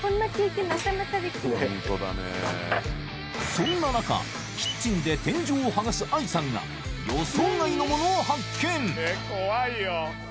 そんな中キッチンで天井をはがす愛さんが予想外のものを発見